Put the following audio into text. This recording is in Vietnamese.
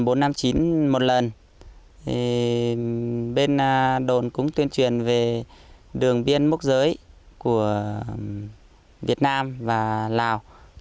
tuyên truyền một lần bên đồn cũng tuyên truyền về đường biên mốc giới của việt nam và lào